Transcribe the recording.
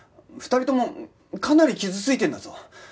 ２人ともかなり傷ついてるんだぞ。